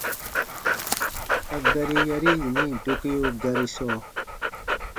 A gari yari yini dokeo gari sɔɔ: